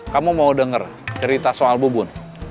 kamu mau dengar cerita soal bubun